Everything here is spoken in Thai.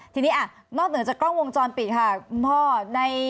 ทีนี้นอกเหนือจากกล้องวงจรปิดค่ะคุณพ่อ